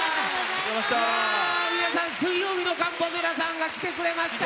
皆さん水曜日のカンパネラさんが来てくれましたよ。